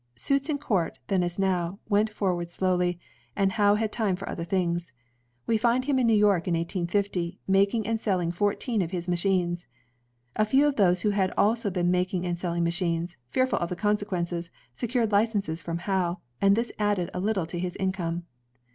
Suits in court, then as now, went forward slowly, and Howe had time for other things. We find him in New York in 1850, making and selling fourteen of his machines. A few of those who had also been making and selling machines, fearful of the consequences, secured licenses from Howe, and this added a little to his income.